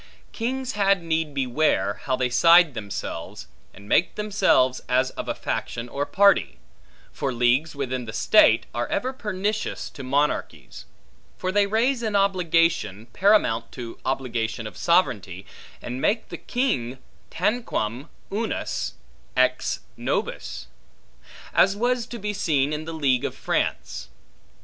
Kings had need beware, how they side themselves, and make themselves as of a faction or party; for leagues within the state, are ever pernicious to monarchies: for they raise an obligation, paramount to obligation of sovereignty, and make the king tanquam unus ex nobis; as was to be seen in the League of France.